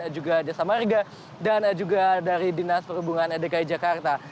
juga jasa marga dan juga dari dinas perhubungan dki jakarta